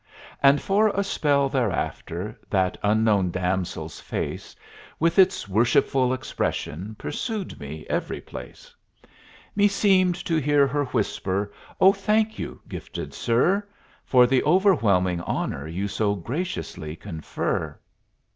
And for a spell thereafter That unknown damsel's face With its worshipful expression Pursued me every place; Meseemed to hear her whisper: "O, thank you, gifted sir, For the overwhelming honor You so graciously confer!"